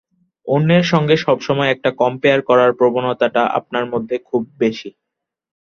অন্যের সঙ্গে সবসময় একটা কমপেয়ার করার প্রবণতাটা আপনার মধ্যে খুব বেশি।